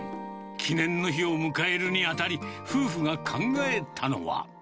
記念の日を迎えるにあたり、夫婦が考えたのは。